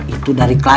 itu dari klien